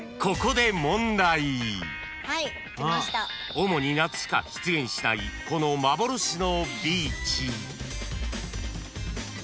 ［主に夏しか出現しないこの幻のビーチ］